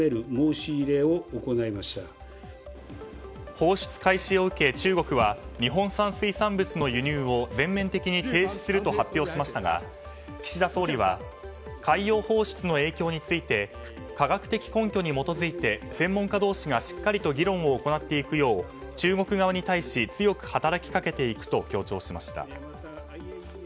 放出開始を受け、中国は日本産水産物の輸入を全面的に停止すると発表しましたが、岸田総理は海洋放出の影響について科学的根拠に基づいて専門家同士がしっかりと議論を行っていくよう中国側に対し強く働きかけていくと強調しました。